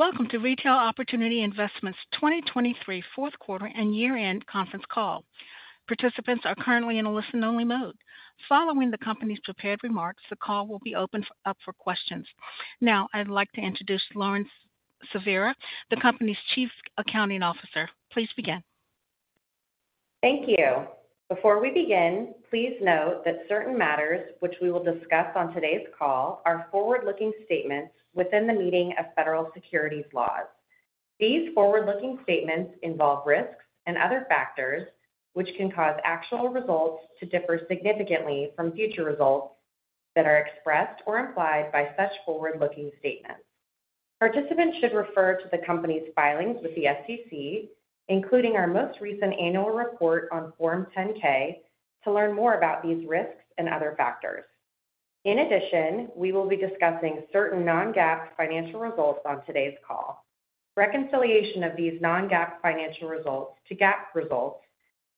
Welcome to Retail Opportunity Investments 2023 Fourth Quarter and Year-End Conference Call. Participants are currently in a listen-only mode. Following the company's prepared remarks, the call will be opened up for questions. Now, I'd like to introduce Lauren Silveira, the company's Chief Accounting Officer. Please begin. Thank you. Before we begin, please note that certain matters which we will discuss on today's call are forward-looking statements within the meaning of federal securities laws. These forward-looking statements involve risks and other factors which can cause actual results to differ significantly from future results that are expressed or implied by such forward-looking statements. Participants should refer to the company's filings with the SEC, including our most recent annual report on Form 10-K, to learn more about these risks and other factors. In addition, we will be discussing certain non-GAAP financial results on today's call. Reconciliation of these non-GAAP financial results to GAAP results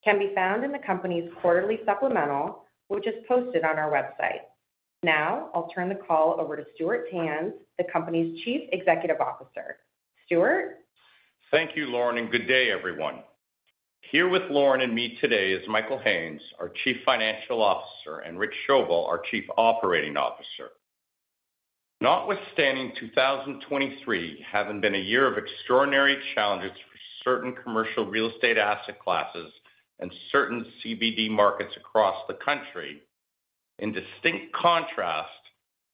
can be found in the company's quarterly supplemental, which is posted on our website. Now, I'll turn the call over to Stuart Tanz, the company's Chief Executive Officer. Stuart? Thank you, Lauren, and good day, everyone. Here with Lauren and me today is Michael Haines, our Chief Financial Officer, and Rich Schoebel, our Chief Operating Officer. Notwithstanding 2023 having been a year of extraordinary challenges for certain commercial real estate asset classes and certain CBD markets across the country, in distinct contrast,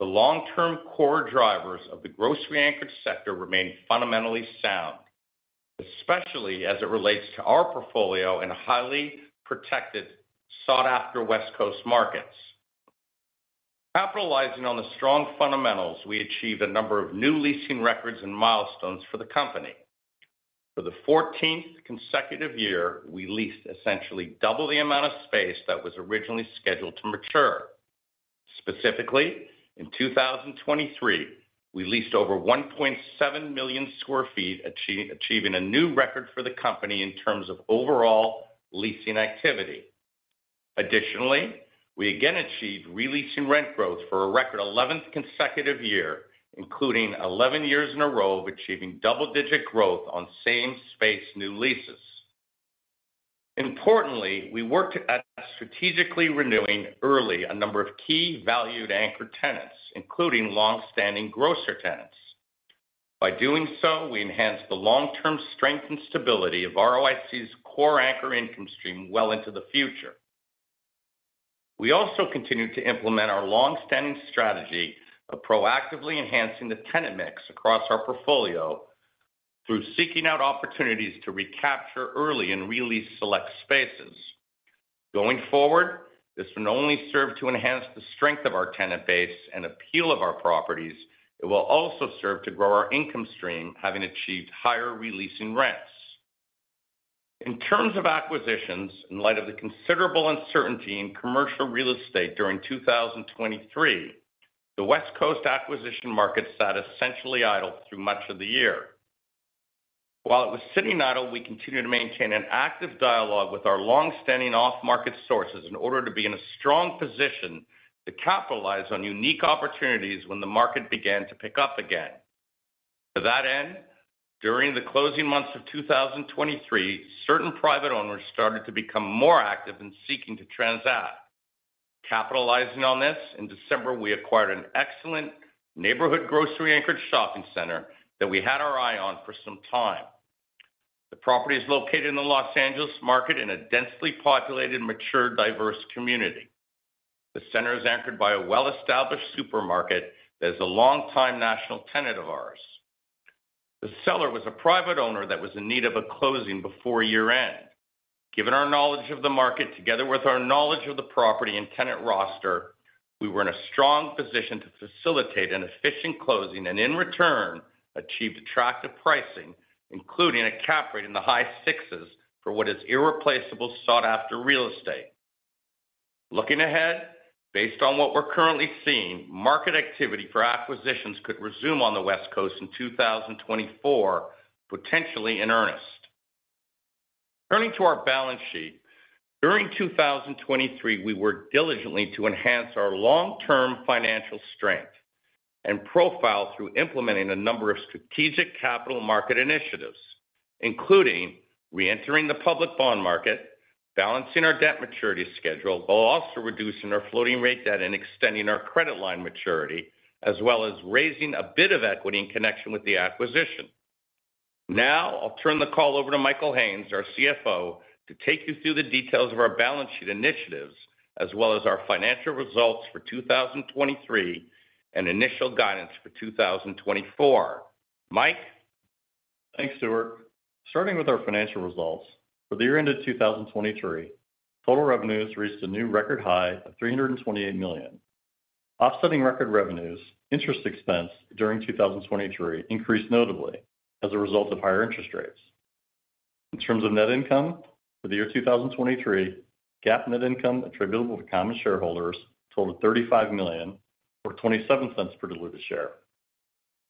the long-term core drivers of the grocery-anchored sector remain fundamentally sound, especially as it relates to our portfolio in highly protected, sought-after West Coast markets. Capitalizing on the strong fundamentals, we achieved a number of new leasing records and milestones for the company. For the 14th consecutive year, we leased essentially double the amount of space that was originally scheduled to mature. Specifically, in 2023, we leased over 1.7 million sq ft, achieving a new record for the company in terms of overall leasing activity. Additionally, we again achieved re-leasing rent growth for a record 11th consecutive year, including 11 years in a row of achieving double-digit growth on same-space new leases. Importantly, we worked at strategically renewing early a number of key valued anchor tenants, including longstanding grocer tenants. By doing so, we enhanced the long-term strength and stability of ROIC's core anchor income stream well into the future. We also continued to implement our longstanding strategy of proactively enhancing the tenant mix across our portfolio through seeking out opportunities to recapture early and re-lease select spaces. Going forward, this will not only serve to enhance the strength of our tenant base and appeal of our properties, it will also serve to grow our income stream, having achieved higher re-leasing rents. In terms of acquisitions, in light of the considerable uncertainty in commercial real estate during 2023, the West Coast acquisition market sat essentially idle through much of the year. While it was sitting idle, we continued to maintain an active dialogue with our longstanding off-market sources in order to be in a strong position to capitalize on unique opportunities when the market began to pick up again. To that end, during the closing months of 2023, certain private owners started to become more active in seeking to transact. Capitalizing on this, in December, we acquired an excellent neighborhood grocery-anchored shopping center that we had our eye on for some time. The property is located in the Los Angeles market in a densely populated, mature, diverse community. The center is anchored by a well-established supermarket that is a long-time national tenant of ours. The seller was a private owner that was in need of a closing before year-end. Given our knowledge of the market, together with our knowledge of the property and tenant roster, we were in a strong position to facilitate an efficient closing and, in return, achieve attractive pricing, including a cap rate in the high sixes for what is irreplaceable sought-after real estate. Looking ahead, based on what we're currently seeing, market activity for acquisitions could resume on the West Coast in 2024, potentially in earnest. Turning to our balance sheet, during 2023, we worked diligently to enhance our long-term financial strength and profile through implementing a number of strategic capital market initiatives, including reentering the public bond market, balancing our debt maturity schedule, while also reducing our floating-rate debt and extending our credit line maturity, as well as raising a bit of equity in connection with the acquisition. Now, I'll turn the call over to Michael Haines, our CFO, to take you through the details of our balance sheet initiatives, as well as our financial results for 2023 and initial guidance for 2024. Mike? Thanks, Stuart. Starting with our financial results, for the year-end of 2023, total revenues reached a new record high of $328 million. Offsetting record revenues, interest expense during 2023 increased notably as a result of higher interest rates. In terms of net income, for the year 2023, GAAP net income attributable to common shareholders totaled $35 million or $0.27 per diluted share.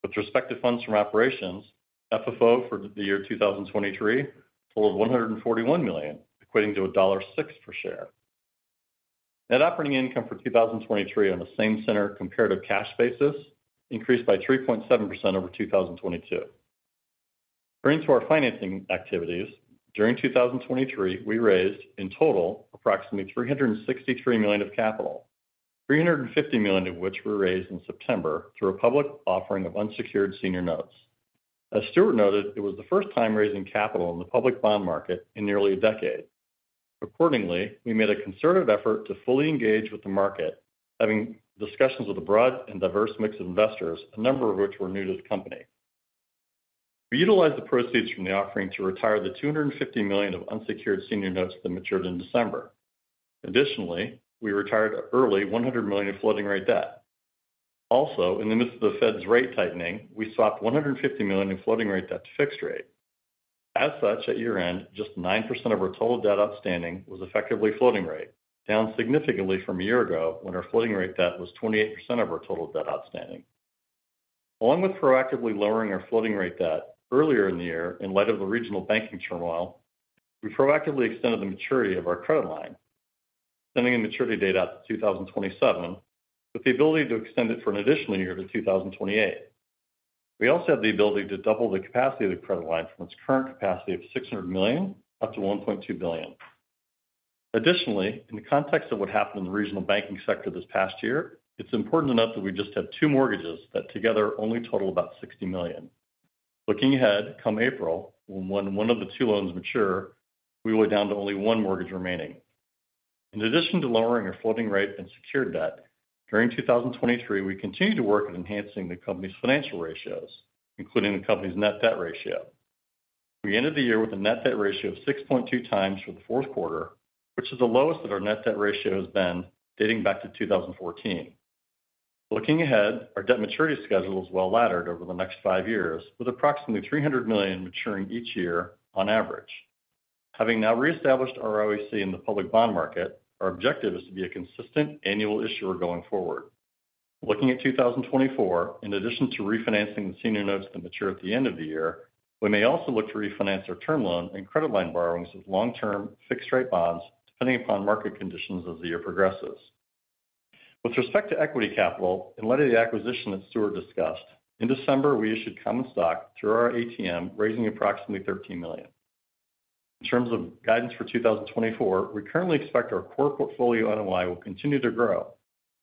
With respect to funds from operations, FFO for the year 2023 totaled $141 million, equating to $1.06 per share. Net operating income for 2023 on the same center comparative cash basis increased by 3.7% over 2022. Turning to our financing activities, during 2023, we raised, in total, approximately $363 million of capital, $350 million of which were raised in September through a public offering of unsecured senior notes. As Stuart noted, it was the first time raising capital in the public bond market in nearly a decade. Accordingly, we made a concerted effort to fully engage with the market, having discussions with a broad and diverse mix of investors, a number of which were new to the company. We utilized the proceeds from the offering to retire the $250 million of unsecured senior notes that matured in December. Additionally, we retired early $100 million of floating-rate debt. Also, in the midst of the Fed's rate tightening, we swapped $150 million of floating-rate debt to fixed rate. As such, at year-end, just 9% of our total debt outstanding was effectively floating rate, down significantly from a year ago when our floating-rate debt was 28% of our total debt outstanding. Along with proactively lowering our floating-rate debt earlier in the year in light of the regional banking turmoil, we proactively extended the maturity of our credit line, sending the maturity date out to 2027 with the ability to extend it for an additional year to 2028. We also have the ability to double the capacity of the credit line from its current capacity of $600 million up to $1.2 billion. Additionally, in the context of what happened in the regional banking sector this past year, it's important to note that we just have two mortgages that together only total about $60 million. Looking ahead, come April, when one of the two loans mature, we will be down to only one mortgage remaining. In addition to lowering our floating-rate and secured debt, during 2023, we continued to work at enhancing the company's financial ratios, including the company's net debt ratio. We ended the year with a net debt ratio of 6.2x for the fourth quarter, which is the lowest that our net debt ratio has been dating back to 2014. Looking ahead, our debt maturity schedule is well laddered over the next five years, with approximately $300 million maturing each year on average. Having now reestablished ROIC in the public bond market, our objective is to be a consistent annual issuer going forward. Looking at 2024, in addition to refinancing the senior notes that mature at the end of the year, we may also look to refinance our term loan and credit line borrowings with long-term fixed-rate bonds, depending upon market conditions as the year progresses. With respect to equity capital, in light of the acquisition that Stuart discussed, in December, we issued common stock through our ATM, raising approximately $13 million. In terms of guidance for 2024, we currently expect our core portfolio NOI will continue to grow,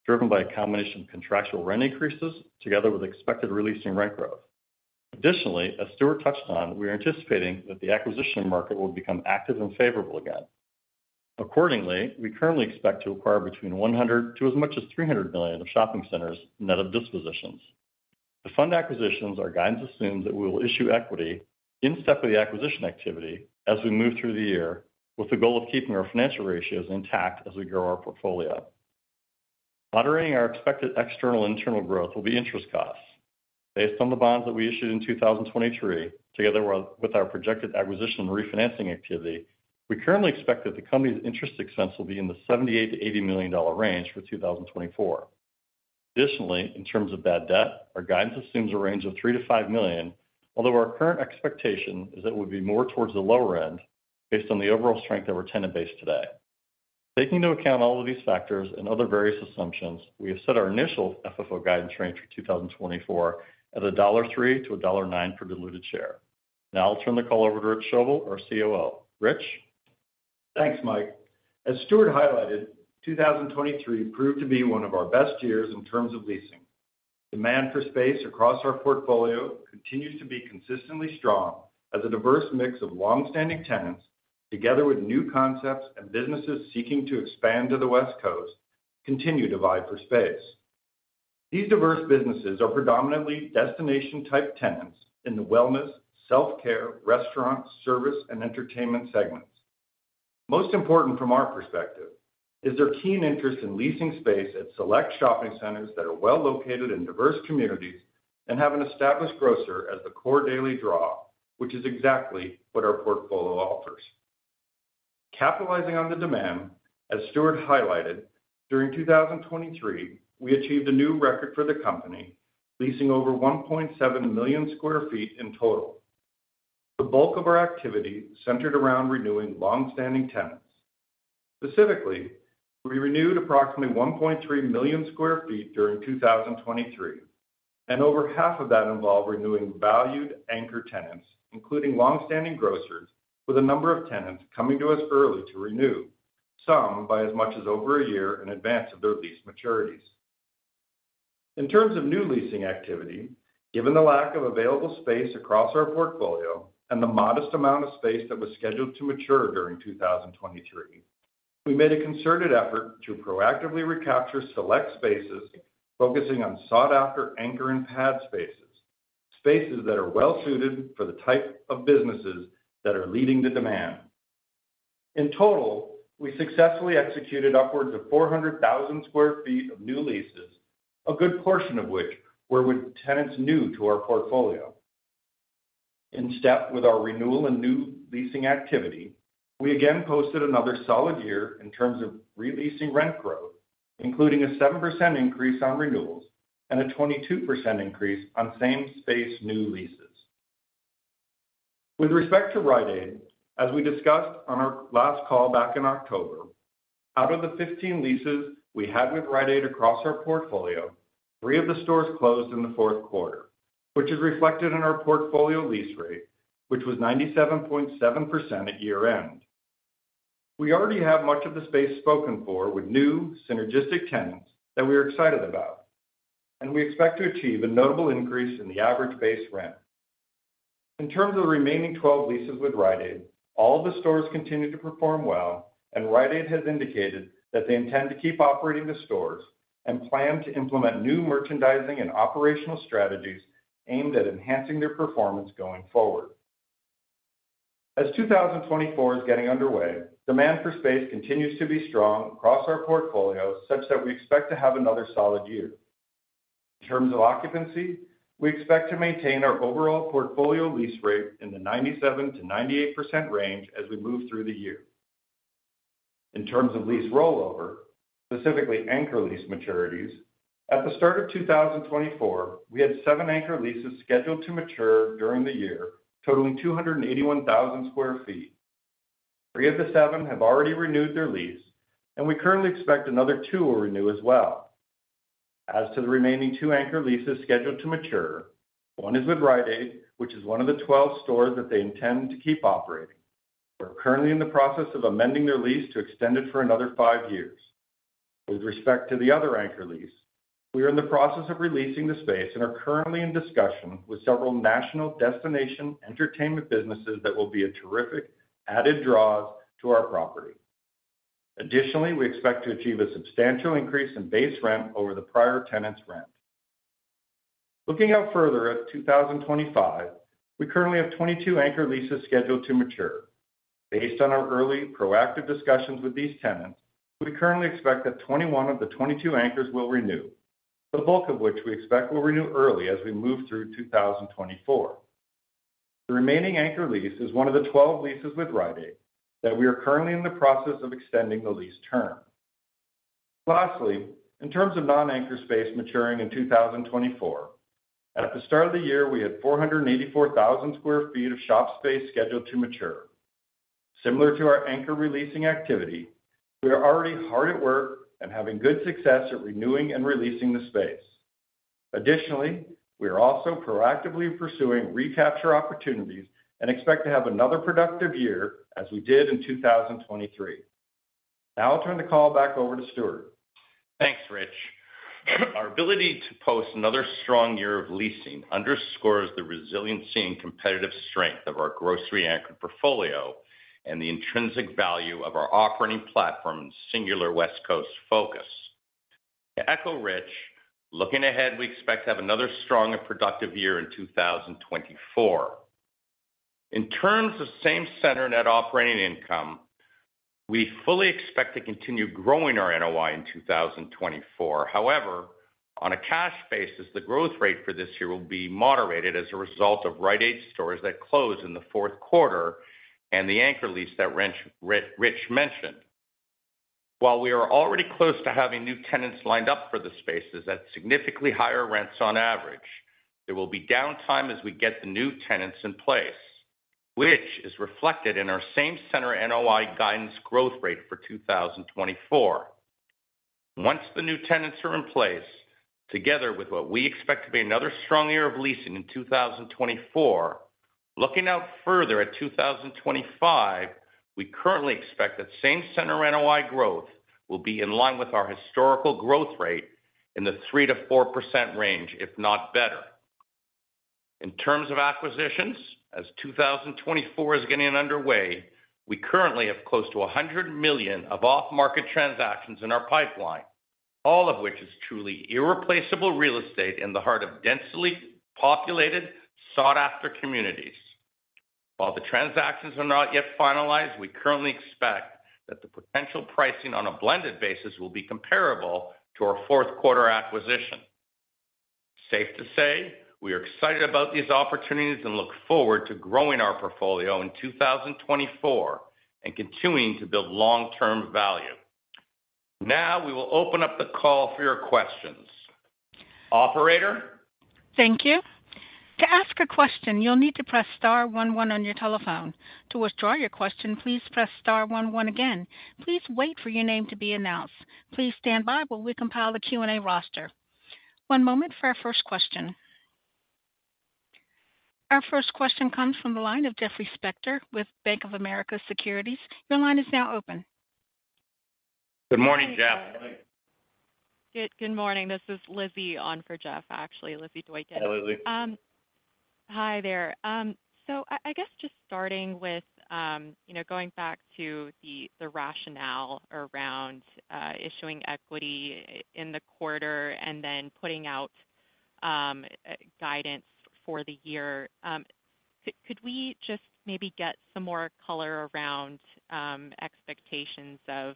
driven by a combination of contractual rent increases together with expected re-leasing rent growth. Additionally, as Stuart touched on, we are anticipating that the acquisition market will become active and favorable again. Accordingly, we currently expect to acquire between $100 million-$300 million of shopping centers net of dispositions. To fund acquisitions, our guidance assumes, that we will issue equity in step with the acquisition activity as we move through the year, with the goal of keeping our financial ratios intact as we grow our portfolio. Moderating our expected external/internal growth will be interest costs. Based on the bonds that we issued in 2023 together with our projected acquisition and refinancing activity, we currently expect that the company's interest expense will be in the $78 million-$80 million range for 2024. Additionally, in terms of bad debt, our guidance assumes a range of $3 million-$5 million, although our current expectation is that it would be more towards the lower end based on the overall strength of our tenant base today. Taking into account all of these factors and other various assumptions, we have set our initial FFO guidance range for 2024 at $3-$9 per diluted share. Now, I'll turn the call over to Rich Schoebel, our COO. Rich? Thanks, Mike. As Stuart highlighted, 2023 proved to be one of our best years in terms of leasing. Demand for space across our portfolio continues to be consistently strong as a diverse mix of longstanding tenants, together with new concepts and businesses seeking to expand to the West Coast, continue to vie for space. These diverse businesses are predominantly destination-type tenants in the wellness, self-care, restaurant, service, and entertainment segments. Most important from our perspective, is their keen interest in leasing space at select shopping centers that are well located in diverse communities and have an established grocer as the core daily draw, which is exactly what our portfolio offers. Capitalizing on the demand, as Stuart highlighted, during 2023, we achieved a new record for the company, leasing over 1.7 million sq ft in total. The bulk of our activity centered around renewing longstanding tenants. Specifically, we renewed approximately 1.3 million sq ft during 2023, and over half of that involved renewing valued anchor tenants, including longstanding grocers, with a number of tenants coming to us early to renew, some by as much as over a year in advance of their lease maturities. In terms of new leasing activity, given the lack of available space across our portfolio and the modest amount of space that was scheduled to mature during 2023, we made a concerted effort to proactively recapture select spaces focusing on sought-after anchor and pad spaces, spaces that are well-suited for the type of businesses that are leading the demand. In total, we successfully executed upwards of 400,000 sq ft of new leases, a good portion of which were with tenants new to our portfolio. In step with our renewal and new leasing activity, we again posted another solid year in terms of re-leasing rent growth, including a 7% increase on renewals and a 22% increase on same-space new leases. With respect to Rite Aid, as we discussed on our last call back in October, out of the 15 leases we had with Rite Aid across our portfolio, three of the stores closed in the fourth quarter, which is reflected in our portfolio lease rate, which was 97.7% at year-end. We already have much of the space spoken for with new synergistic tenants that we are excited about, and we expect to achieve a notable increase in the average base rent. In terms of the remaining 12 leases with Rite Aid, all of the stores continue to perform well, and Rite Aid has indicated that they intend to keep operating the stores and plan to implement new merchandising and operational strategies aimed at enhancing their performance going forward. As 2024 is getting underway, demand for space continues to be strong across our portfolio such that we expect to have another solid year. In terms of occupancy, we expect to maintain our overall portfolio lease rate in the 97%-98% range as we move through the year. In terms of lease rollover, specifically anchor lease maturities, at the start of 2024, we had seven anchor leases scheduled to mature during the year, totaling 281,000 sq ft. Three of the seven have already renewed their lease, and we currently expect another two will renew as well. As to the remaining two anchor leases scheduled to mature, one is with Rite Aid, which is one of the 12 stores that they intend to keep operating. We're currently in the process of amending their lease to extend it for another five years. With respect to the other anchor lease, we are in the process of re-leasing the space and are currently in discussion with several national destination entertainment businesses that will be a terrific added draw to our property. Additionally, we expect to achieve a substantial increase in base rent over the prior tenant's rent. Looking out further at 2025, we currently have 22 anchor leases scheduled to mature. Based on our early, proactive discussions with these tenants, we currently expect that 21 of the 22 anchors will renew, the bulk of which we expect will renew early as we move through 2024. The remaining anchor lease is one of the 12 leases with Rite Aid that we are currently in the process of extending the lease term. Lastly, in terms of non-anchor space maturing in 2024, at the start of the year, we had 484,000 sq ft of shop space scheduled to mature. Similar to our anchor re-leasing activity, we are already hard at work and having good success at renewing and re-leasing the space. Additionally, we are also proactively pursuing recapture opportunities and expect to have another productive year as we did in 2023. Now, I'll turn the call back over to Stuart. Thanks, Rich. Our ability to post another strong year of leasing underscores the resiliency and competitive strength of our grocery anchor portfolio and the intrinsic value of our operating platform and singular West Coast focus. To echo Rich, looking ahead, we expect to have another strong and productive year in 2024. In terms of same-center net operating income, we fully expect to continue growing our NOI in 2024. However, on a cash basis, the growth rate for this year will be moderated as a result of Rite Aid stores that close in the fourth quarter and the anchor lease that Rich mentioned. While we are already close to having new tenants lined up for the spaces at significantly higher rents on average, there will be downtime as we get the new tenants in place, which is reflected in our same-center NOI guidance growth rate for 2024. Once the new tenants are in place, together with what we expect to be another strong year of leasing in 2024, looking out further at 2025, we currently expect that Same-Center NOI growth will be in line with our historical growth rate in the 3%-4% range, if not better. In terms of acquisitions, as 2024 is getting underway, we currently have close to $100 million of off-market transactions in our pipeline, all of which is truly irreplaceable real estate in the heart of densely populated, sought-after communities. While the transactions are not yet finalized, we currently expect that the potential pricing on a blended basis will be comparable to our fourth quarter acquisition. Safe to say, we are excited about these opportunities and look forward to growing our portfolio in 2024 and continuing to build long-term value. Now, we will open up the call for your questions. Operator? Thank you. To ask a question, you'll need to press star one one on your telephone. To withdraw your question, please press star one one again. Please wait for your name to be announced. Please stand by while we compile the Q&A roster. One moment for our first question. Our first question comes from the line of Jeffrey Spector with Bank of America Securities. Your line is now open. Good morning, Jeff. Good morning. This is Lizzie on for Jeff, actually. Lizzie Doyel. Hi, Lizzie. Hi there. So I guess just starting with going back to the rationale around issuing equity in the quarter and then putting out guidance for the year, could we just maybe get some more color around expectations of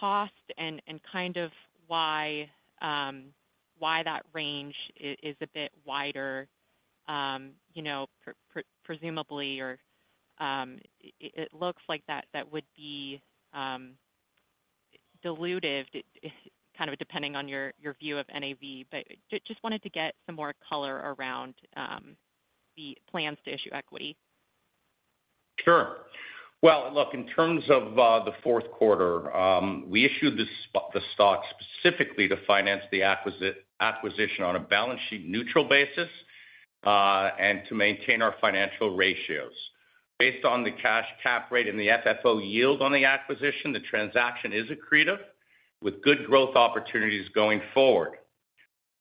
cost and kind of why that range is a bit wider, presumably, or it looks like that would be diluted, kind of depending on your view of NAV, but just wanted to get some more color around the plans to issue equity? Sure. Well, look, in terms of the fourth quarter, we issued the stock specifically to finance the acquisition on a balance sheet neutral basis and to maintain our financial ratios. Based on the cash cap rate and the FFO yield on the acquisition, the transaction is accretive with good growth opportunities going forward.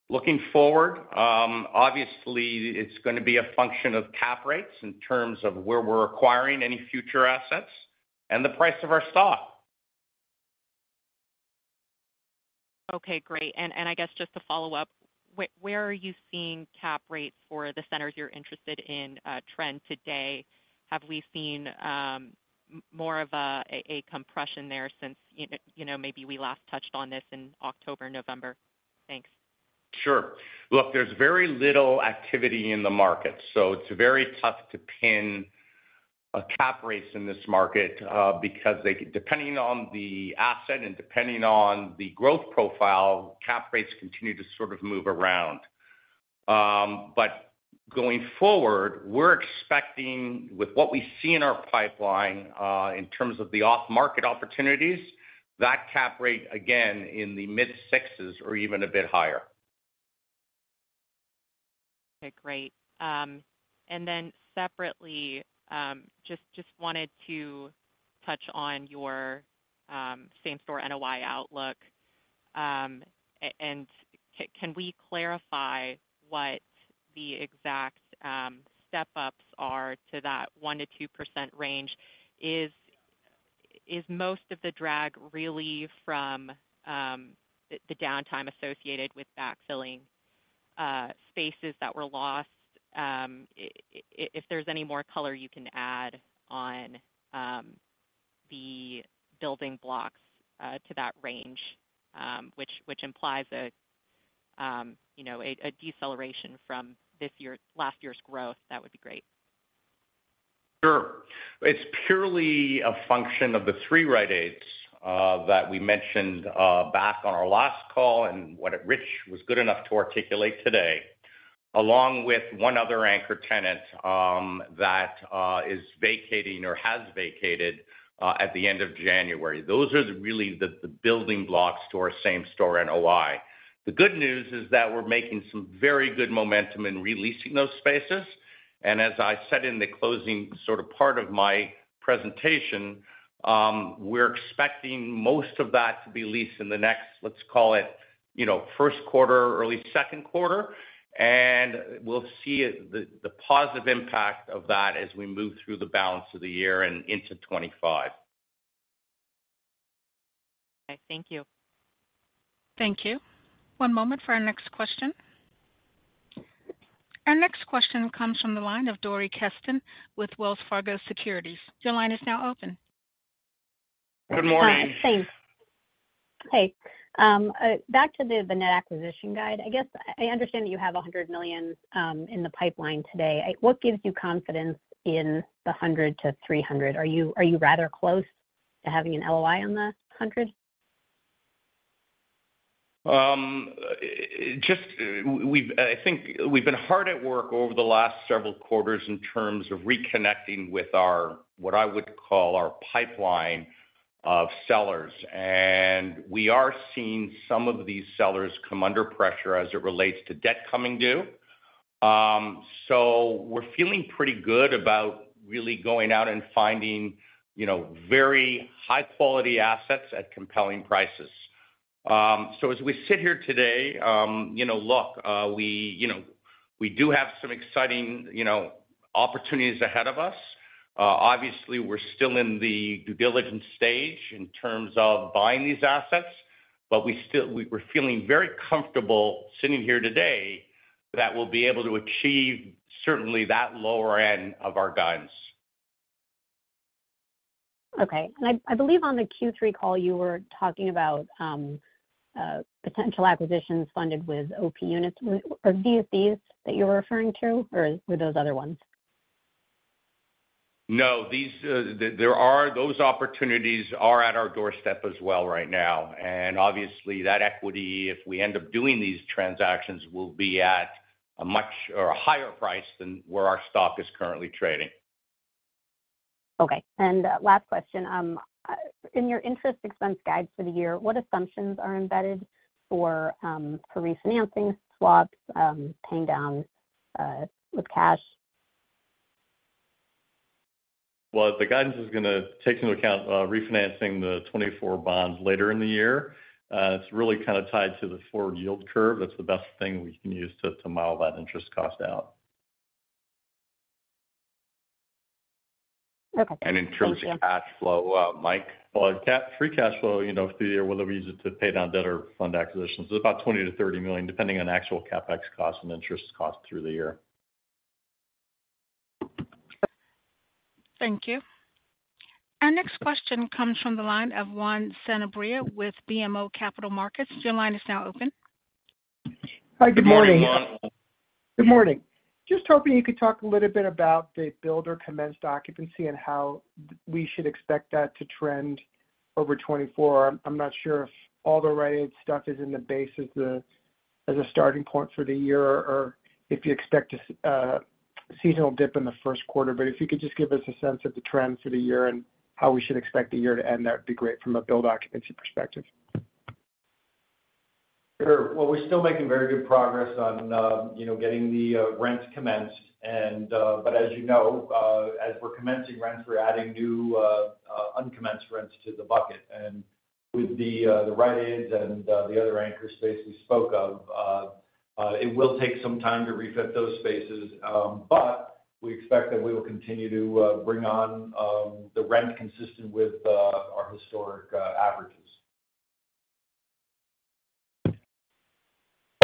Looking forward, obviously, it's going to be a function of cap rates in terms of where we're acquiring any future assets and the price of our stock. Okay, great. I guess just to follow up, where are you seeing cap rates for the centers you're interested in trend today? Have we seen more of a compression there since maybe we last touched on this in October, November? Thanks. Sure. Look, there's very little activity in the market, so it's very tough to pin a cap rate in this market because depending on the asset and depending on the growth profile, cap rates continue to sort of move around. But going forward, we're expecting, with what we see in our pipeline in terms of the off-market opportunities, that cap rate, again, in the mid-sixes or even a bit higher. Okay, great. And then separately, just wanted to touch on your same-store NOI outlook. And can we clarify what the exact step-ups are to that 1%-2% range? Is most of the drag really from the downtime associated with backfilling spaces that were lost? If there's any more color you can add on the building blocks to that range, which implies a deceleration from last year's growth, that would be great. Sure. It's purely a function of the three Rite Aids that we mentioned back on our last call and what Rich was good enough to articulate today, along with one other anchor tenant that is vacating or has vacated at the end of January. Those are really the building blocks to our same-center NOI. The good news is that we're making some very good momentum in re-leasing those spaces. And as I said in the closing sort of part of my presentation, we're expecting most of that to be leased in the next, let's call it, first quarter, early second quarter. And we'll see the positive impact of that as we move through the balance of the year and into 2025. Okay, thank you. Thank you. One moment for our next question. Our next question comes from the line of Dori Kesten with Wells Fargo Securities. Your line is now open. Good morning. Hi. Thanks. Hey. Back to the net acquisition guide, I guess I understand that you have $100 million in the pipeline today. What gives you confidence in the $100 million-$300 million? Are you rather close to having an LOI on the $100 million? I think we've been hard at work over the last several quarters in terms of reconnecting with what I would call our pipeline of sellers. We are seeing some of these sellers come under pressure as it relates to debt coming due. We're feeling pretty good about really going out and finding very high-quality assets at compelling prices. As we sit here today, look, we do have some exciting opportunities ahead of us. Obviously, we're still in the due diligence stage in terms of buying these assets, but we're feeling very comfortable sitting here today that we'll be able to achieve certainly that lower end of our guidance. Okay. And I believe on the Q3 call, you were talking about potential acquisitions funded with OP units. Are these these that you were referring to, or were those other ones? No, those opportunities are at our doorstep as well right now. And obviously, that equity, if we end up doing these transactions, will be at a much higher price than where our stock is currently trading. Okay. Last question. In your interest expense guides for the year, what assumptions are embedded for refinancing, swaps, paying down with cash? Well, the guidance is going to take into account refinancing the 2024 bonds later in the year. It's really kind of tied to the forward yield curve. That's the best thing we can use to model that interest cost out. Okay. Thank you. In terms of cash flow, Mike? Well, free cash flow through the year, whether we use it to pay down debt or fund acquisitions, is about $20 million-$30 million, depending on actual CapEx costs and interest costs through the year. Thank you. Our next question comes from the line of Juan Sanabria with BMO Capital Markets. Your line is now open. Good morning, Juan. Good morning. Just hoping you could talk a little bit about the blended commenced occupancy and how we should expect that to trend over 2024. I'm not sure if all the Rite Aid stuff is in the base as a starting point for the year or if you expect a seasonal dip in the first quarter. But if you could just give us a sense of the trend for the year and how we should expect the year to end, that would be great from a blended occupancy perspective. Sure. Well, we're still making very good progress on getting the rents commenced. But as you know, as we're commencing rents, we're adding new uncommenced rents to the bucket. And with the Rite Aids and the other anchor space we spoke of, it will take some time to refit those spaces. But we expect that we will continue to bring on the rent consistent with our historic averages.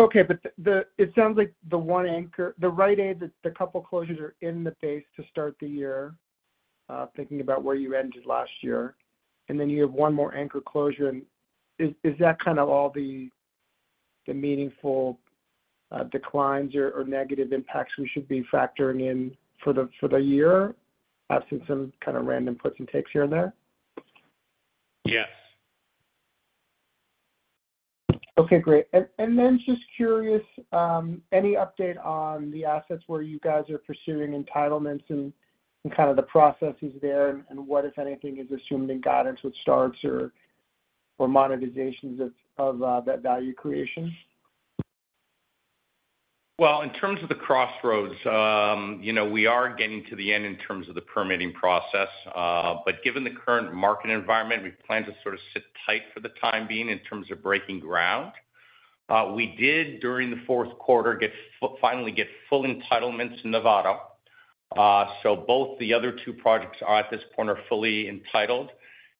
Okay. But it sounds like the one anchor, the Rite Aid, that the couple closures are in the base to start the year, thinking about where you ended last year. And then you have one more anchor closure. And is that kind of all the meaningful declines or negative impacts we should be factoring in for the year, absent some kind of random puts and takes here and there? Yes. Okay, great. And then just curious, any update on the assets where you guys are pursuing entitlements and kind of the processes there and what, if anything, is assumed in guidance with starts or monetizations of that value creation? Well, in terms of the Crossroads, we are getting to the end in terms of the permitting process. But given the current market environment, we plan to sort of sit tight for the time being in terms of breaking ground. We did, during the fourth quarter, finally get full entitlements in Nevada. So both the other two projects at this point are fully entitled.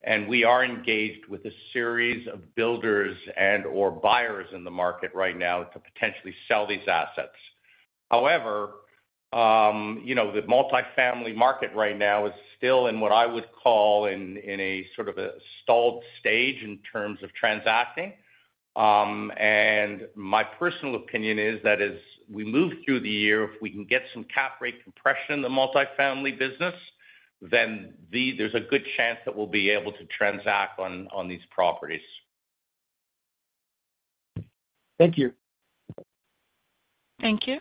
And we are engaged with a series of builders and/or buyers in the market right now to potentially sell these assets. However, the multifamily market right now is still in what I would call in a sort of a stalled stage in terms of transacting. And my personal opinion is that as we move through the year, if we can get some cap rate compression in the multifamily business, then there's a good chance that we'll be able to transact on these properties. Thank you. Thank you.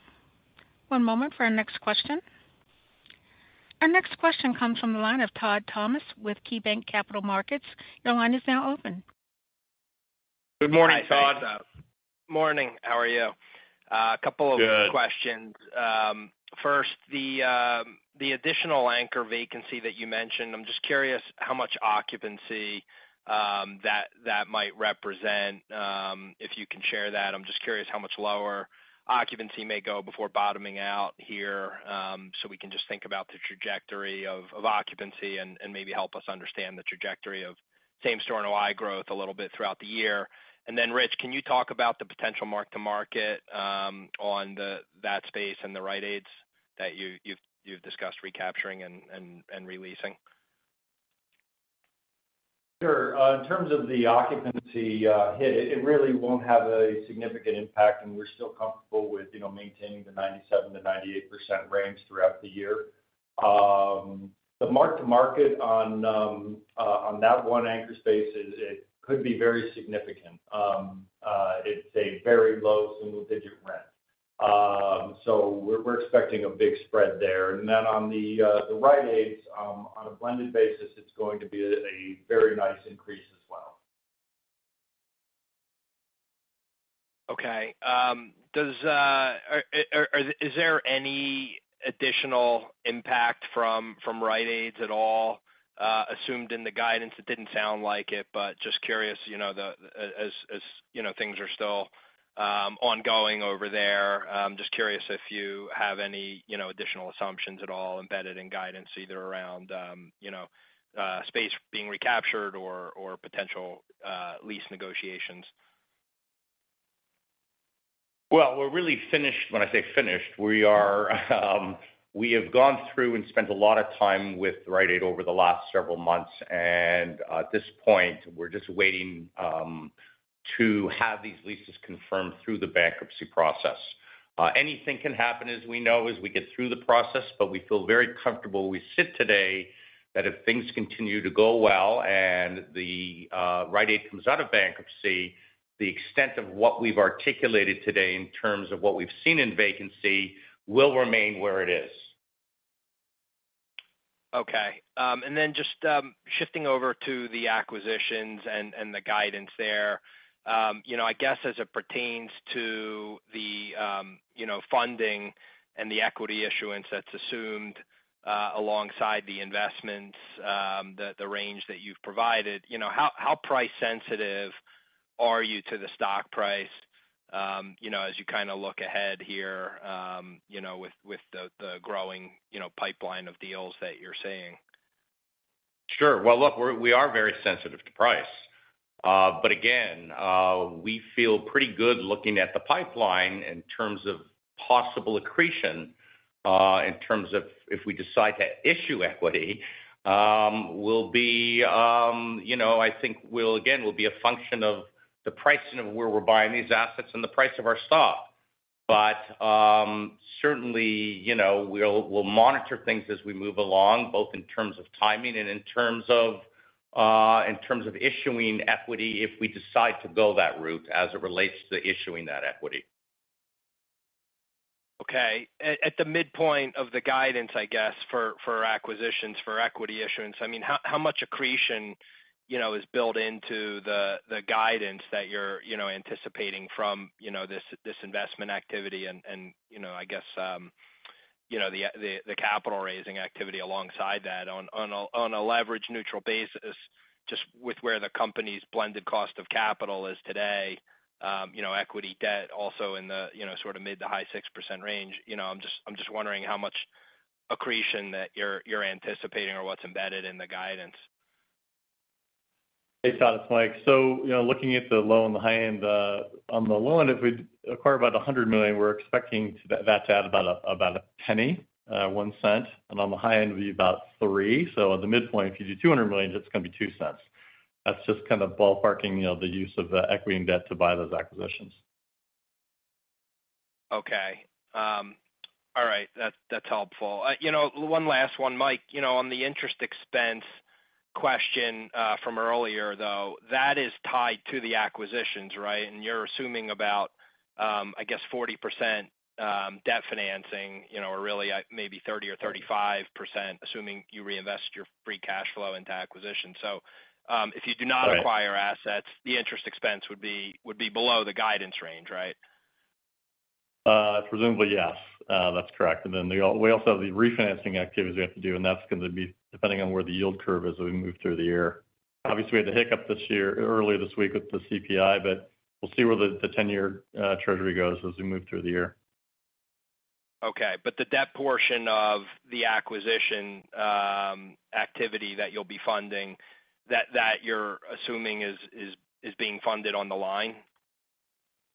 One moment for our next question. Our next question comes from the line of Todd Thomas with KeyBanc Capital Markets. Your line is now open. Good morning, Todd. Good morning. How are you? A couple of questions. First, the additional anchor vacancy that you mentioned, I'm just curious how much occupancy that might represent. If you can share that, I'm just curious how much lower occupancy may go before bottoming out here so we can just think about the trajectory of occupancy and maybe help us understand the trajectory of same-store NOI growth a little bit throughout the year. And then, Rich, can you talk about the potential mark-to-market on that space and the Rite Aids that you've discussed recapturing and re-leasing? Sure. In terms of the occupancy hit, it really won't have a significant impact. And we're still comfortable with maintaining the 97%-98% range throughout the year. The mark-to-market on that one anchor space, it could be very significant. It's a very low single-digit rent. So we're expecting a big spread there. And then on the Rite Aids, on a blended basis, it's going to be a very nice increase as well. Okay. Is there any additional impact from Rite Aid at all assumed in the guidance? It didn't sound like it, but just curious, as things are still ongoing over there, just curious if you have any additional assumptions at all embedded in guidance either around space being recaptured or potential lease negotiations. Well, we're really finished. When I say finished, we have gone through and spent a lot of time with Rite Aid over the last several months. And at this point, we're just waiting to have these leases confirmed through the bankruptcy process. Anything can happen, as we know, as we get through the process. But we feel very comfortable where we sit today that if things continue to go well and the Rite Aid comes out of bankruptcy, the extent of what we've articulated today in terms of what we've seen in vacancy will remain where it is. Okay. And then just shifting over to the acquisitions and the guidance there, I guess as it pertains to the funding and the equity issuance that's assumed alongside the investments, the range that you've provided, how price-sensitive are you to the stock price as you kind of look ahead here with the growing pipeline of deals that you're seeing? Sure. Well, look, we are very sensitive to price. But again, we feel pretty good looking at the pipeline in terms of possible accretion. In terms of if we decide to issue equity, I think, again, will be a function of the pricing of where we're buying these assets and the price of our stock. But certainly, we'll monitor things as we move along, both in terms of timing and in terms of issuing equity if we decide to go that route as it relates to issuing that equity. Okay. At the midpoint of the guidance, I guess, for acquisitions, for equity issuance, I mean, how much accretion is built into the guidance that you're anticipating from this investment activity and, I guess, the capital-raising activity alongside that on a leveraged neutral basis just with where the company's blended cost of capital is today, equity debt also in the sort of mid- to high-6% range? I'm just wondering how much accretion that you're anticipating or what's embedded in the guidance. Hey, Todd, it's Mike. So looking at the low and the high end, on the low end, if we acquire about $100 million, we're expecting that to add about $0.01, one cent. And on the high end, it would be about $0.03. So at the midpoint, if you do $200 million, it's going to be $0.02. That's just kind of ballparking the use of equity and debt to buy those acquisitions. Okay. All right. That's helpful. One last one, Mike. On the interest expense question from earlier, though, that is tied to the acquisitions, right? And you're assuming about, I guess, 40% debt financing or really maybe 30% or 35%, assuming you reinvest your free cash flow into acquisitions. So if you do not acquire assets, the interest expense would be below the guidance range, right? Presumably, yes. That's correct. And then we also have the refinancing activities we have to do. And that's going to be depending on where the yield curve is as we move through the year. Obviously, we had the hiccup earlier this week with the CPI, but we'll see where the 10-year Treasury goes as we move through the year. Okay. But the debt portion of the acquisition activity that you'll be funding, that you're assuming is being funded on the line?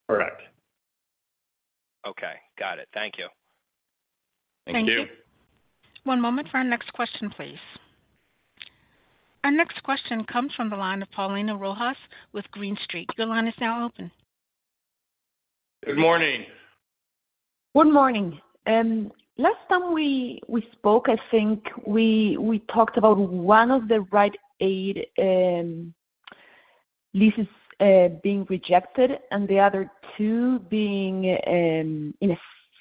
Correct. Okay. Got it. Thank you. Thank you. Thank you. One moment for our next question, please. Our next question comes from the line of Paulina Rojas with Green Street. Your line is now open. Good morning. Good morning. Last time we spoke, I think we talked about one of the Rite Aid leases being rejected and the other two being in a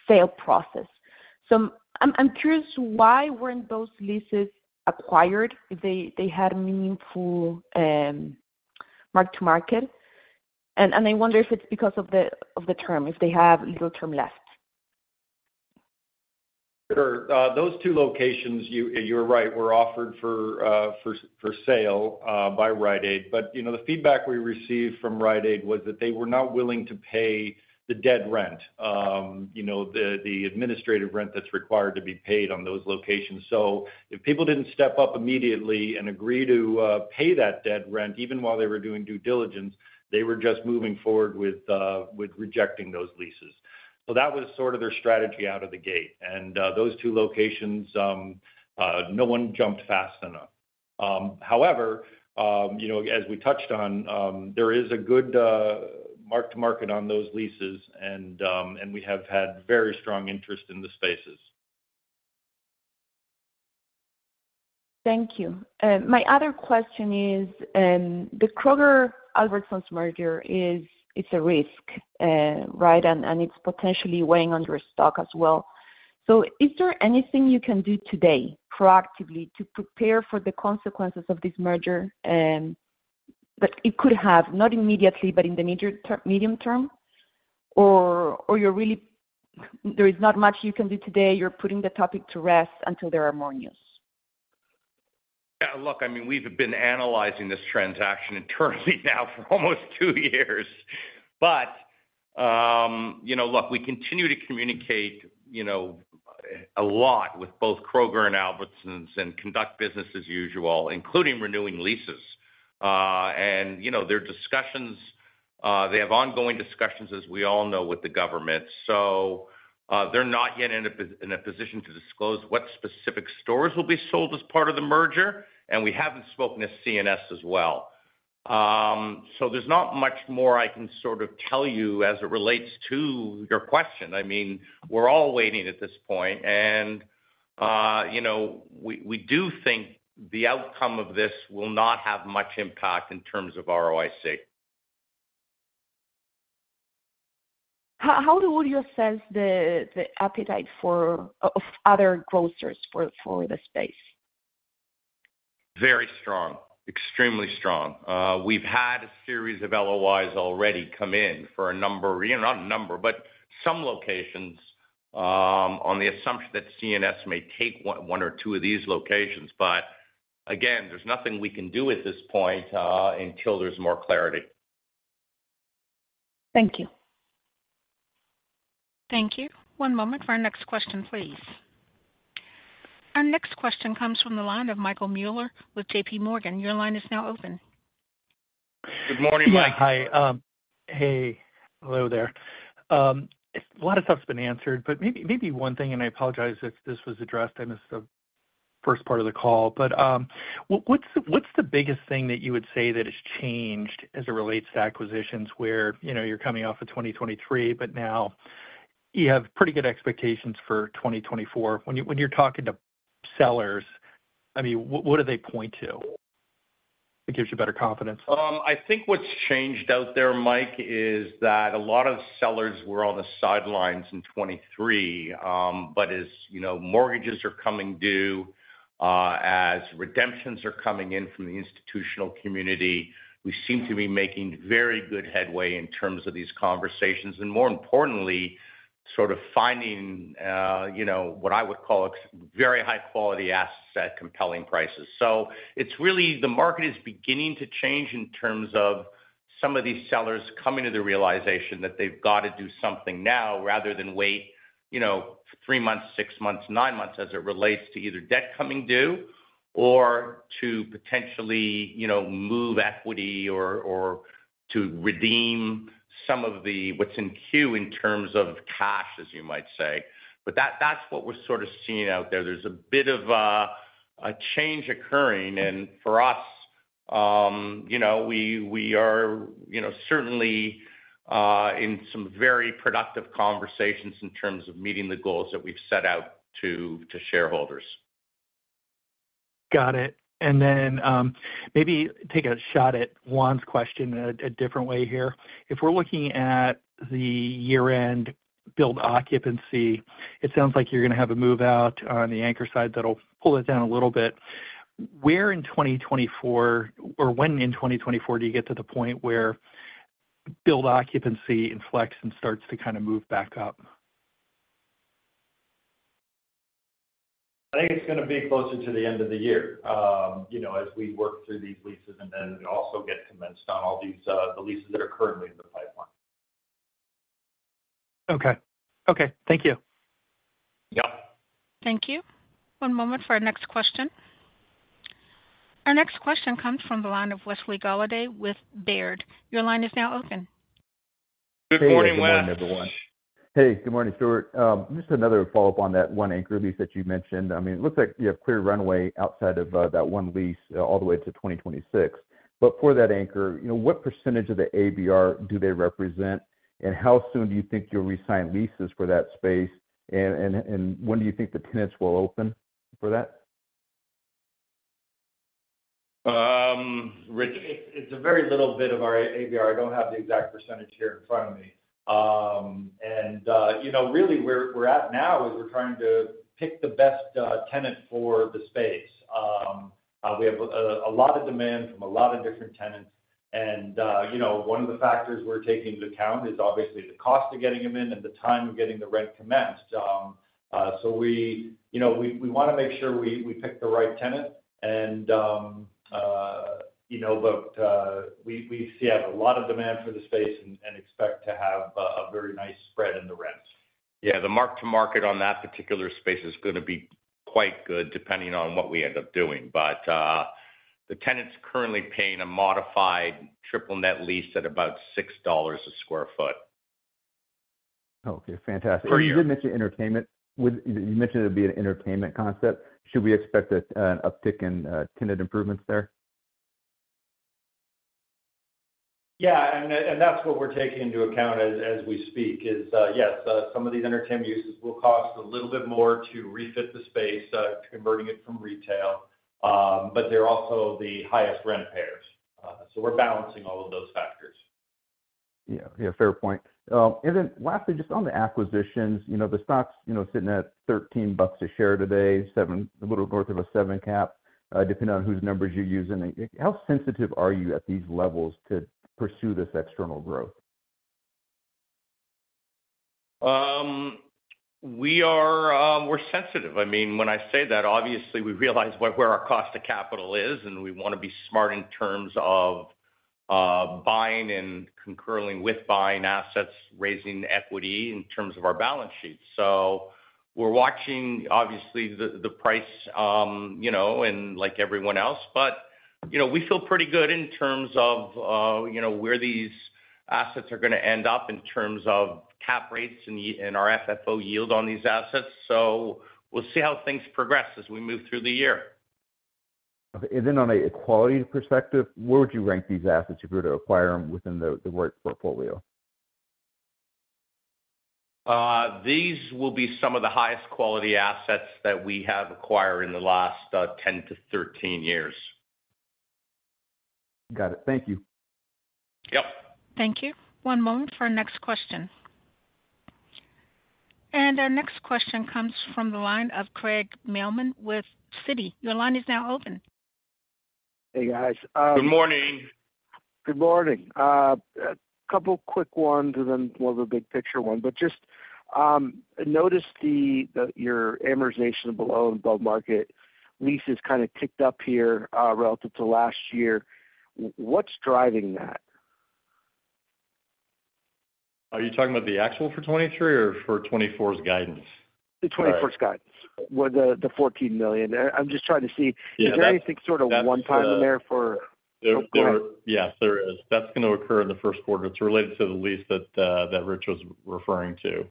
sale process. I'm curious why weren't those leases acquired if they had meaningful mark-to-market? I wonder if it's because of the term, if they have little term left? Sure. Those two locations, you're right, were offered for sale by Rite Aid. But the feedback we received from Rite Aid was that they were not willing to pay the debt rent, the administrative rent that's required to be paid on those locations. So if people didn't step up immediately and agree to pay that debt rent, even while they were doing due diligence, they were just moving forward with rejecting those leases. So that was sort of their strategy out of the gate. And those two locations, no one jumped fast enough. However, as we touched on, there is a good mark-to-market on those leases. And we have had very strong interest in the spaces. Thank you. My other question is, the Kroger-Albertsons merger is a risk, right? And it's potentially weighing on your stock as well. So is there anything you can do today proactively to prepare for the consequences of this merger that it could have, not immediately, but in the medium term? Or there is not much you can do today. You're putting the topic to rest until there are more news? Yeah. Look, I mean, we've been analyzing this transaction internally now for almost two years. But look, we continue to communicate a lot with both Kroger and Albertsons and conduct business as usual, including renewing leases. And there are discussions. They have ongoing discussions, as we all know, with the government. So they're not yet in a position to disclose what specific stores will be sold as part of the merger. And we haven't spoken to C&S as well. So there's not much more I can sort of tell you as it relates to your question. I mean, we're all waiting at this point. And we do think the outcome of this will not have much impact in terms of ROIC. How would you assess the appetite of other grocers for the space? Very strong, extremely strong. We've had a series of LOIs already come in for a number not a number, but some locations on the assumption that C&S may take one or two of these locations. But again, there's nothing we can do at this point until there's more clarity. Thank you. Thank you. One moment for our next question, please. Our next question comes from the line of Michael Mueller with J.P. Morgan. Your line is now open. Good morning, Mike. Yeah. Hi. Hey. Hello there. A lot of stuff's been answered. But maybe one thing, and I apologize if this was addressed. I missed the first part of the call. But what's the biggest thing that you would say that has changed as it relates to acquisitions where you're coming off of 2023, but now you have pretty good expectations for 2024? When you're talking to sellers, I mean, what do they point to that gives you better confidence? I think what's changed out there, Mike, is that a lot of sellers were on the sidelines in 2023. But as mortgages are coming due, as redemptions are coming in from the institutional community, we seem to be making very good headway in terms of these conversations and, more importantly, sort of finding what I would call very high-quality assets at compelling prices. So the market is beginning to change in terms of some of these sellers coming to the realization that they've got to do something now rather than wait three months, six months, nine months as it relates to either debt coming due or to potentially move equity or to redeem some of what's in queue in terms of cash, as you might say. But that's what we're sort of seeing out there. There's a bit of a change occurring. For us, we are certainly in some very productive conversations in terms of meeting the goals that we've set out to shareholders. Got it. And then maybe take a shot at Juan's question in a different way here. If we're looking at the year-end build occupancy, it sounds like you're going to have a move out on the anchor side that'll pull it down a little bit. Where in 2024 or when in 2024 do you get to the point where build occupancy inflects and starts to kind of move back up? I think it's going to be closer to the end of the year as we work through these leases and then also get commenced on all the leases that are currently in the pipeline. Okay. Okay. Thank you. Yep. Thank you. One moment for our next question. Our next question comes from the line of Wesley Golladay with Baird. Your line is now open. Good morning, Wes. Good morning, everyone. Hey, good morning, Stuart. Just another follow-up on that one anchor lease that you mentioned. I mean, it looks like you have clear runway outside of that one lease all the way to 2026. But for that anchor, what percentage of the ABR do they represent? And how soon do you think you'll re-sign leases for that space? And when do you think the tenants will open for that? It's a very little bit of our ABR. I don't have the exact percentage here in front of me. And really, where we're at now is we're trying to pick the best tenant for the space. We have a lot of demand from a lot of different tenants. And one of the factors we're taking into account is obviously the cost of getting them in and the time of getting the rent commenced. So we want to make sure we pick the right tenant. And but we have a lot of demand for the space and expect to have a very nice spread in the rent. Yeah. The mark-to-market on that particular space is going to be quite good depending on what we end up doing. But the tenant's currently paying a modified triple net lease at about $6 a sq ft. Okay. Fantastic. You did mention entertainment. You mentioned it would be an entertainment concept. Should we expect an uptick in tenant improvements there? Yeah. That's what we're taking into account as we speak is, yes, some of these entertainment uses will cost a little bit more to refit the space, converting it from retail. But they're also the highest rent payers. So we're balancing all of those factors. Yeah. Yeah. Fair point. And then lastly, just on the acquisitions, the stock's sitting at $13 a share today, a little north of a 7 cap, depending on whose numbers you're using. How sensitive are you at these levels to pursue this external growth? We're sensitive. I mean, when I say that, obviously, we realize where our cost of capital is. And we want to be smart in terms of buying and acquiring assets, raising equity in terms of our balance sheet. So we're watching, obviously, the price and like everyone else. But we feel pretty good in terms of where these assets are going to end up in terms of cap rates and our FFO yield on these assets. So we'll see how things progress as we move through the year. On a quality perspective, where would you rank these assets if you were to acquire them within the ROIC portfolio? These will be some of the highest quality assets that we have acquired in the last 10-13 years. Got it. Thank you. Yep. Thank you. One moment for our next question. Our next question comes from the line of Craig Mailman with Citi. Your line is now open. Hey, guys. Good morning. Good morning. A couple of quick ones and then more of a big picture one. But just noticed your amortization below and above market leases kind of ticked up here relative to last year. What's driving that? Are you talking about the actual for 2023 or for 2024's guidance? The 2024's guidance. The $14 million. I'm just trying to see, is there anything sort of one-time in there for going? Yes, there is. That's going to occur in the first quarter. It's related to the lease that Rich was referring to.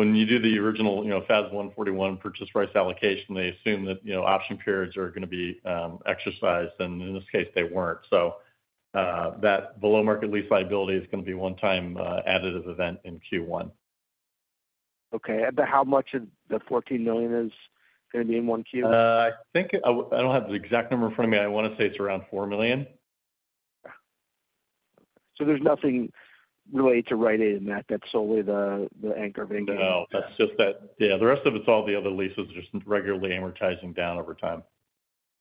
When you do the original FAS 141 purchase price allocation, they assume that option periods are going to be exercised. And in this case, they weren't. So that below-market lease liability is going to be one-time additive event in Q1. Okay. How much of the $14 million is going to be in one Q? I don't have the exact number in front of me. I want to say it's around $4 million. Yeah. So there's nothing related to Rite Aid in that? That's solely the anchor of [engagement]? No. Yeah. The rest of it's all the other leases just regularly amortizing down over time.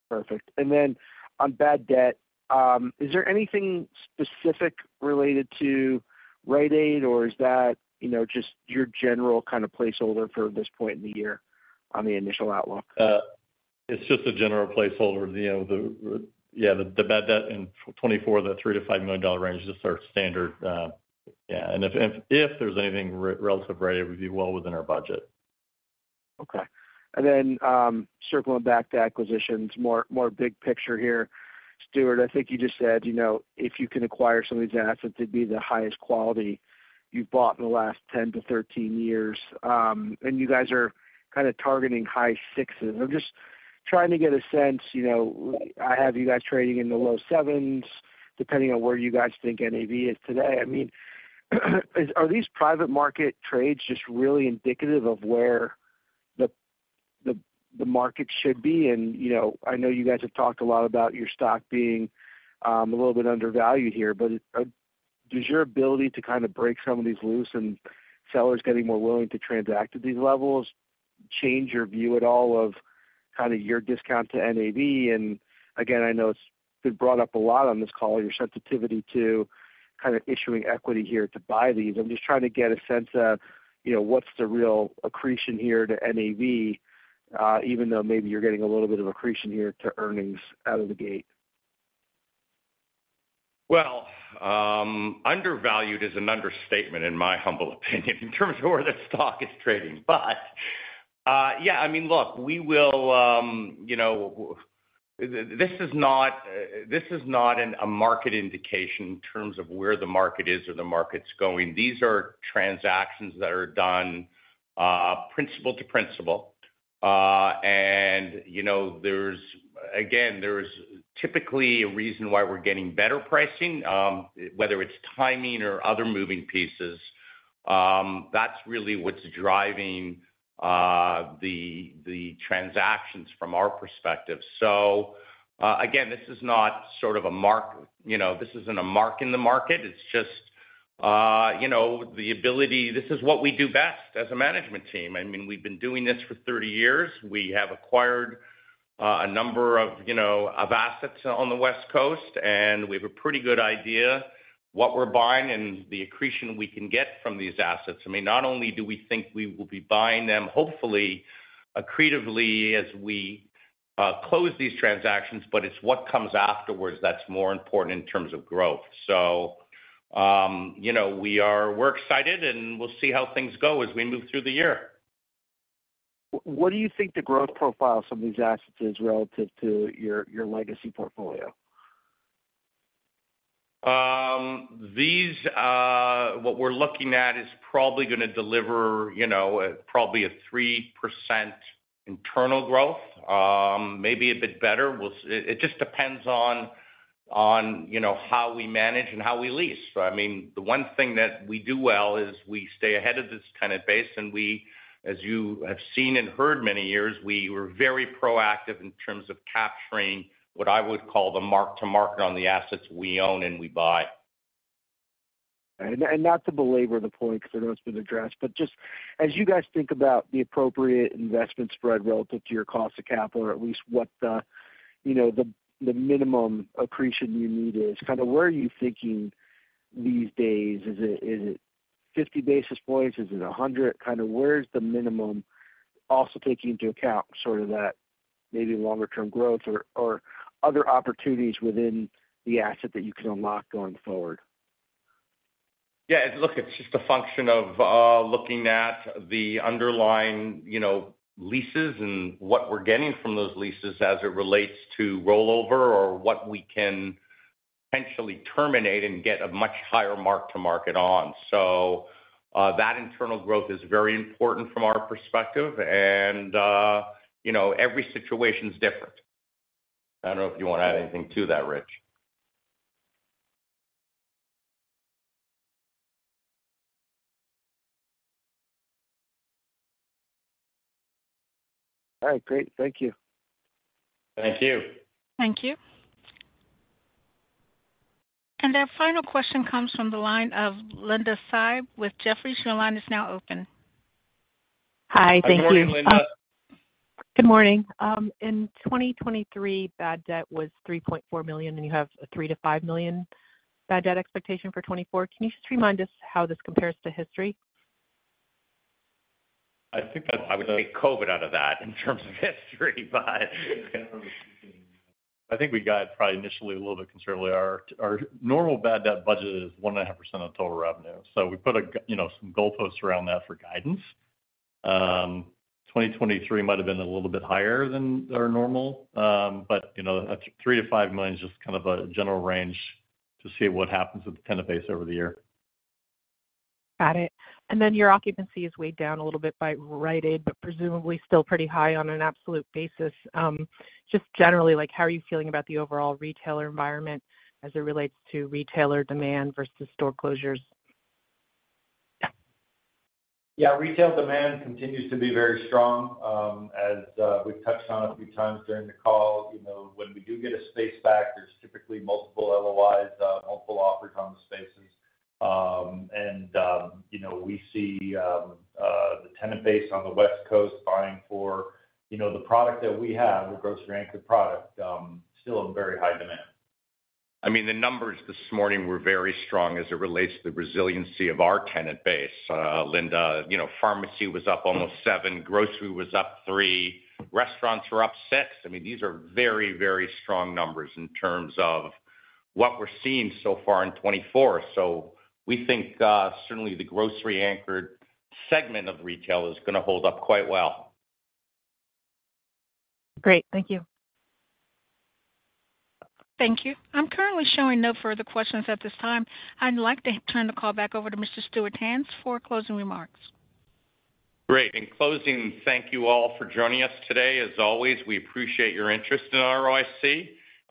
Perfect. And then on bad debt, is there anything specific related to Rite Aid, or is that just your general kind of placeholder for this point in the year on the initial outlook? It's just a general placeholder. Yeah, the bad debt in 2024, that $3 million-$5 million range is just our standard. Yeah. And if there's anything relative Rite Aid, we'd be well within our budget. Okay. And then circling back to acquisitions, more big picture here. Stuart, I think you just said if you can acquire some of these assets, it'd be the highest quality you've bought in the last 10-13 years. And you guys are kind of targeting high sixes. I'm just trying to get a sense. I have you guys trading in the low sevens, depending on where you guys think NAV is today. I mean, are these private market trades just really indicative of where the market should be? And I know you guys have talked a lot about your stock being a little bit undervalued here. But does your ability to kind of break some of these loose and sellers getting more willing to transact at these levels change your view at all of kind of your discount to NAV? And again, I know it's been brought up a lot on this call, your sensitivity to kind of issuing equity here to buy these. I'm just trying to get a sense of what's the real accretion here to NAV, even though maybe you're getting a little bit of accretion here to earnings out of the gate. Well, undervalued is an understatement, in my humble opinion, in terms of where the stock is trading. But yeah, I mean, look, we'll. This is not a market indication in terms of where the market is or the market's going. These are transactions that are done principal to principal. And again, there's typically a reason why we're getting better pricing, whether it's timing or other moving pieces. That's really what's driving the transactions from our perspective. So again, this is not sort of a mark. This isn't a mark in the market. It's just the ability. This is what we do best as a management team. I mean, we've been doing this for 30 years. We have acquired a number of assets on the West Coast. And we have a pretty good idea what we're buying and the accretion we can get from these assets. I mean, not only do we think we will be buying them, hopefully, accretively as we close these transactions, but it's what comes afterwards that's more important in terms of growth. So we're excited. And we'll see how things go as we move through the year. What do you think the growth profile of some of these assets is relative to your legacy portfolio? What we're looking at is probably going to deliver probably a 3% internal growth, maybe a bit better. It just depends on how we manage and how we lease. I mean, the one thing that we do well is we stay ahead of this tenant base. And as you have seen and heard many years, we were very proactive in terms of capturing what I would call the mark-to-market on the assets we own and we buy. Not to belabor the point because I know it's been addressed. Just as you guys think about the appropriate investment spread relative to your cost of capital, or at least what the minimum accretion you need is, kind of where are you thinking these days? Is it 50 basis points? Is it 100? Kind of where's the minimum also taking into account sort of that maybe longer-term growth or other opportunities within the asset that you can unlock going forward? Yeah. Look, it's just a function of looking at the underlying leases and what we're getting from those leases as it relates to rollover or what we can potentially terminate and get a much higher mark-to-market on. So that internal growth is very important from our perspective. And every situation's different. I don't know if you want to add anything to that, Rich. All right. Great. Thank you. Thank you. Thank you. And our final question comes from the line of Linda Tsai with Jefferies. Your line is now open. Hi. Thank you. Good morning, Linda. Good morning. In 2023, bad debt was $3.4 million. You have a $3-$5 million bad debt expectation for 2024. Can you just remind us how this compares to history? I would take COVID out of that in terms of history. But I think we got probably initially a little bit conservatively. Our normal bad debt budget is 1.5% of total revenue. So we put some goalposts around that for guidance. 2023 might have been a little bit higher than our normal. But $3 million-$5 million is just kind of a general range to see what happens with the tenant base over the year. Got it. And then your occupancy is weighed down a little bit by Rite Aid, but presumably still pretty high on an absolute basis. Just generally, how are you feeling about the overall retailer environment as it relates to retailer demand versus store closures? Yeah. Retail demand continues to be very strong. As we've touched on a few times during the call, when we do get a space back, there's typically multiple LOIs, multiple offers on the spaces. We see the tenant base on the West Coast buying for the product that we have, the grocery-anchored product, still in very high demand. I mean, the numbers this morning were very strong as it relates to the resiliency of our tenant base. Linda, pharmacy was up almost seven. Grocery was up three. Restaurants were up six. I mean, these are very, very strong numbers in terms of what we're seeing so far in 2024. So we think certainly the grocery-anchored segment of retail is going to hold up quite well. Great. Thank you. Thank you. I'm currently showing no further questions at this time. I'd like to turn the call back over to Mr. Stuart Tanz for closing remarks. Great. In closing, thank you all for joining us today. As always, we appreciate your interest in ROIC.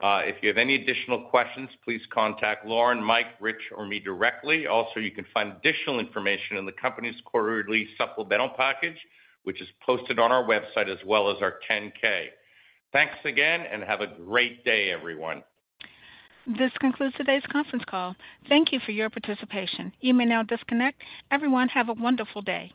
If you have any additional questions, please contact Lauren, Mike, Rich, or me directly. Also, you can find additional information in the company's quarterly supplemental package, which is posted on our website as well as our 10-K. Thanks again. Have a great day, everyone. This concludes today's conference call. Thank you for your participation. You may now disconnect. Everyone, have a wonderful day.